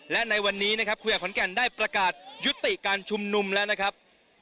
และในวันนี้นะครับคุยกับขอนแก่นได้ประกาศยุติการชุมนุมแล้วนะครับ